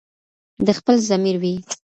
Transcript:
د خپل ضمیر وي